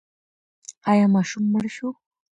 ایا ماشوم مړ شو؟